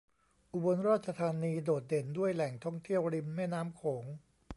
อุบลราชธานีโดดเด่นด้วยแหล่งท่องเที่ยวริมแม่น้ำโขง